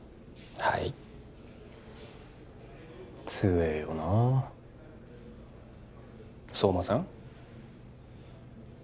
はいつええよな相馬さん？